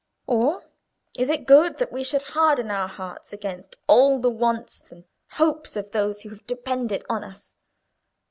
Or, is it good that we should harden our hearts against all the wants and hopes of those who have depended on us?